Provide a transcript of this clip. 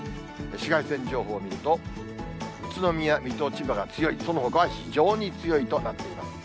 紫外線情報を見ると、宇都宮、水戸、千葉が強い、そのほかは非常に強いとなっています。